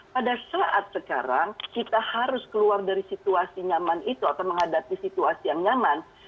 pada saat sekarang kita harus keluar dari situasi nyaman itu atau menghadapi situasi yang nyaman